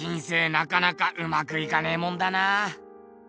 なかなかうまくいかねえもんだな。